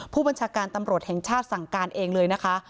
ผู้บัญชาการตำรวจแห่งชาติสั่งการเองเลยนะคะ